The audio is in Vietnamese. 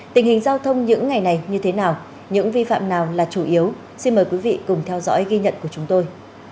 tình hình giao thông những ngày này như thế nào những vi phạm nào là chủ yếu xin mời quý vị cùng theo dõi ghi nhận của chúng tôi